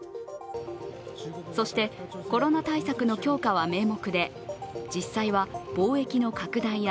そして、コロナ対策の強化は名目で実際は貿易の拡大や